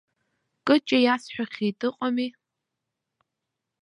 Кыҷа иасҳәахьеит, ыҟами.